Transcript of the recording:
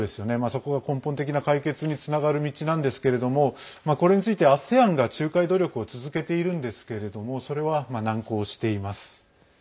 そこが根本的な解決につながる道なんですけれどもこれについてＡＳＥＡＮが仲介努力を続けているんですれどもそれは難航しています。